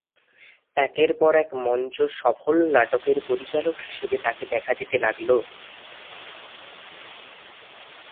একের পর এক মঞ্চ সফল নাটকের পরিচালক হিসেবে তাঁকে দেখা যেতে লাগলো।